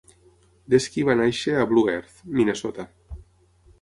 Deskey va néixer a Blue Earth, Minnesota.